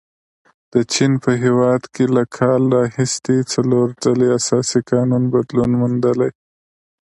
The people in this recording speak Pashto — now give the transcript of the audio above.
د چین په هیواد کې له کال راهیسې څلور ځلې اساسي قانون بدلون موندلی.